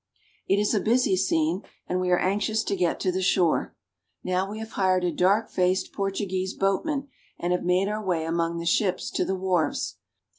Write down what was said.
It is a busy scene, and we are anxious to get to the shore. Now we have hired a dark faced Portuguese boat man, and have made our way among the ships to the wharves.